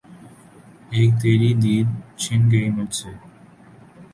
اِک تیری دید چِھن گئی مجھ سے